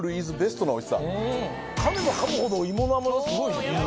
噛めば噛むほど芋の甘さすごいね。